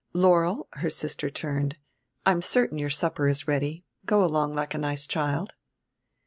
"Laurel," her sister turned, "I'm certain your supper is ready. Go along like a nice child."